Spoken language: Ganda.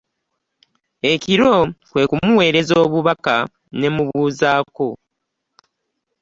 Ekiro kwe kumuweereza obubaka ne mmubuuzaako.